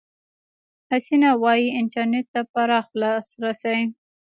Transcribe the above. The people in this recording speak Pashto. حسنه وايي، انټرنېټ ته پراخ لاسرسي